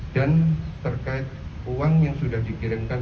dan terkait uang yang sudah dikirimkan